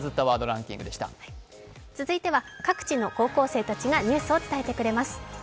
続いては各地の高校生たちがニュースを伝えてくれます。